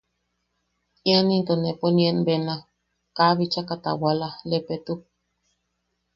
Ian into nejpo inien bena, kaa bichaka tawala, lepetuk.